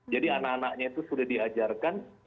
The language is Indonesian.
jadi anak anaknya itu sudah diajarkan